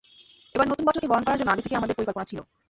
এবার নতুন বছরকে বরণ করার জন্য আগে থেকেই আমাদের পরিকল্পনা ছিল।